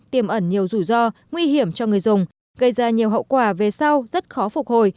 tiềm ẩn nhiều rủi ro nguy hiểm cho người dùng gây ra nhiều hậu quả về sau rất khó phục hồi